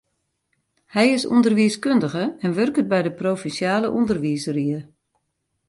Hy is ûnderwiiskundige en wurket by de provinsjale ûnderwiisrie.